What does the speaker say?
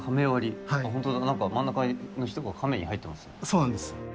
そうなんです。